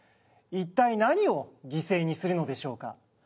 一体何を犠牲にするのでしょうか？